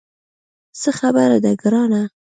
څه خبره ده ګرانه.